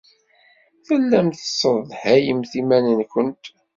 Tellamt tessedhayemt iman-nwent.